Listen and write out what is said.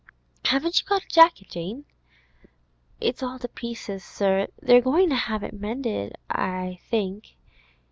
'Haven't you got a jacket, Jane?' 'It's all to pieces, sir. They're goin' to have it mended, I think.